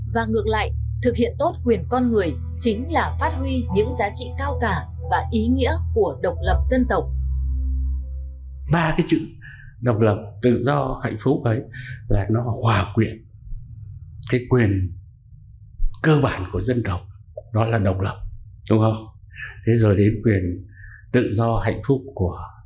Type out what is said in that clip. và ngược lại thực hiện tốt quyền con người chính là phát huy những giá trị cao cả và ý nghĩa của độc lập dân tộc